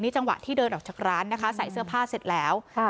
จังหวะที่เดินออกจากร้านนะคะใส่เสื้อผ้าเสร็จแล้วค่ะ